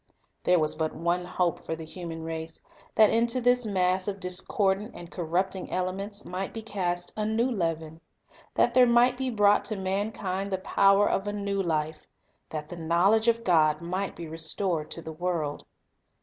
There was but one hope for the human race, — that into this mass of discordant and corrupting elements might be cast a new leaven ; that there might be brought to mankind the power of a new life; that the knowledge of God might be restored to the world.